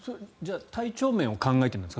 体調面を考えてですか？